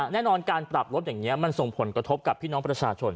แน่นอนการปรับลดอย่างนี้มันส่งผลกระทบกับพี่น้องประชาชน